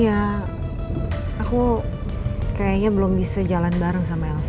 jalan bareng sama sama ya aku kayaknya belum bisa jalan bareng sama sama ya aku kayaknya belum bisa